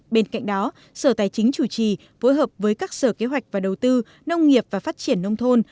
bên cạnh đó sở tài chính chủ trì phối hợp với các sở kế hoạch và đầu tư nông nghiệp và phát triển nông thôn